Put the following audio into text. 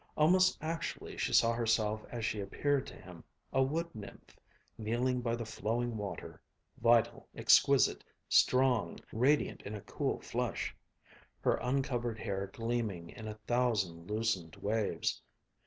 Almost actually she saw herself as she appeared to him, a wood nymph, kneeling by the flowing water, vital, exquisite, strong, radiant in a cool flush, her uncovered hair gleaming in a thousand loosened waves.